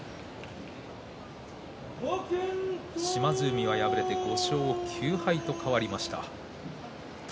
島津海は敗れて５勝９敗と変わりました。